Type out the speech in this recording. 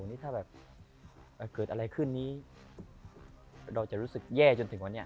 นี่ถ้าแบบเกิดอะไรขึ้นนี้เราจะรู้สึกแย่จนถึงวันนี้